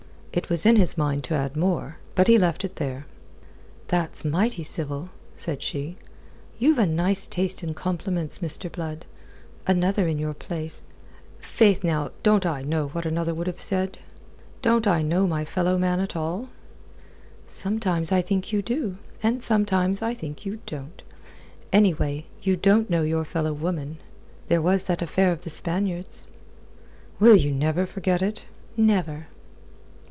It was in his mind to add more. But he left it there. "That's mighty civil," said she. "You've a nice taste in compliments, Mr. Blood. Another in your place...." "Faith, now, don't I know what another would have said? Don't I know my fellow man at all?" "Sometimes I think you do, and sometimes I think you don't. Anyway, you don't know your fellow woman. There was that affair of the Spaniards." "Will ye never forget it?" "Never."